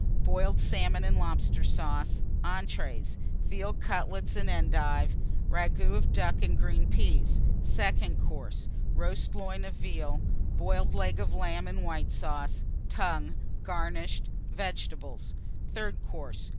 Boiled Salmon and Lobster Sauce. ENTREES. Veal Cutlets and Endive. Ragoût of Duck and Green Peas. SECOND COURSE. Roast Loin of Veal. Boiled Leg of Lamb and White Sauce. Tongue, garnished. Vegetables. THIRD COURSE.